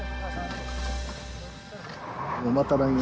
また来年。